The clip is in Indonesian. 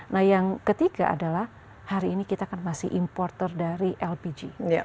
nah yang ketiga adalah hari ini kita kan masih importer dari lpg